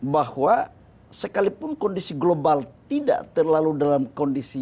bahwa sekalipun kondisi global tidak terlalu dalam kondisi